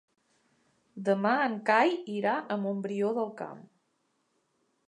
Demà en Cai irà a Montbrió del Camp.